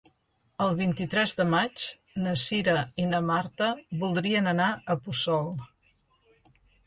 El vint-i-tres de maig na Cira i na Marta voldrien anar a Puçol.